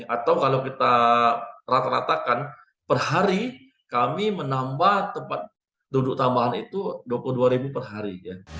atau kalau kita rata ratakan per hari kami menambah tempat duduk tambahan itu dua puluh dua ribu per hari